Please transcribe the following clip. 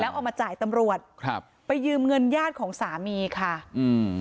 เอามาจ่ายตำรวจครับไปยืมเงินญาติของสามีค่ะอืม